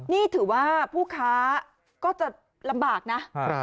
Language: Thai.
นี่ถือว่าผู้ค้าก็จะลำบากนะ